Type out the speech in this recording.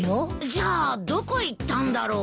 じゃあどこ行ったんだろう？